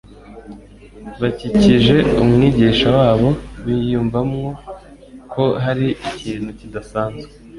Bakikije Umwigisha wabo biyumvamo ko hari ikintu kidasanzwe